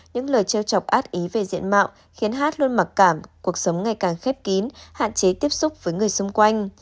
những lời chiêu chọc át ý về diện mạo khiến hát luôn mặc cảm cuộc sống ngày càng khép kín hạn chế tiếp xúc với người xung quanh